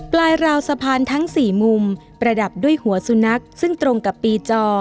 ราวสะพานทั้ง๔มุมประดับด้วยหัวสุนัขซึ่งตรงกับปีจอ